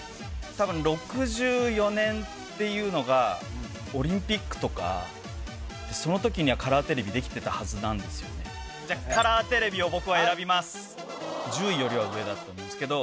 多分６４年っていうのがオリンピックとかその時にはカラーテレビできてたはずなんですよねじゃカラーテレビを僕は選びます１０位よりは上だと思うんですけど